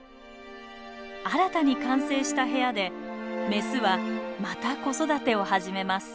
新たに完成した部屋でメスはまた子育てを始めます。